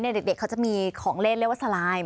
เด็กเขาจะมีของเล่นเรียกว่าสไลน์